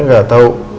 saya gak tau